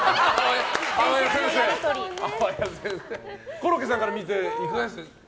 コロッケさんから見ていかがでした？